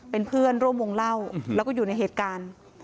เป็นเพื่อนร่วมวงเล่าแล้วก็อยู่ในเหตุการณ์